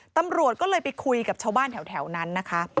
ตำรวจก็เลยไปคุยกับชาวบ้านแถวนั้นนะคะ